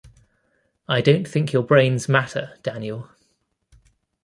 I don't think your brains matter, Daniel.